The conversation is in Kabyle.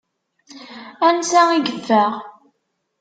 Ansa i yeffeɣ?